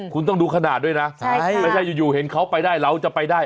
คุณต้องดูขนาดด้วยนะไม่ใช่อยู่เห็นเขาไปได้เราจะไปได้